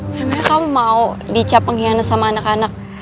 memang kamu mau dicap pengkhianat sama anak anak